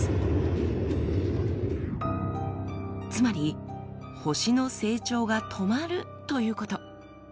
つまり星の成長が止まるということ。